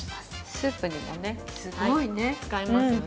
◆スープにもすごい使いますよね。